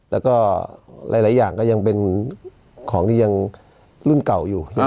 แล้วก็หลายอย่างก็ยังเป็นของที่ยังรุ่นเก่าอยู่